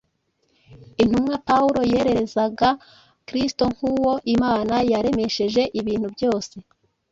intumwa Pawulo yererezaga Kristo nk’Uwo Imana yaremesheje ibintu byose